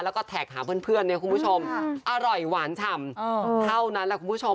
แล้วก็แท็กหาเพื่อนเนี่ยคุณผู้ชมอร่อยหวานฉ่ำเท่านั้นแหละคุณผู้ชม